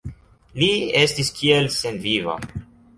Li estis kiel senviva.